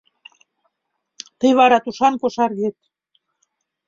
Тый вара тушан кошаргет.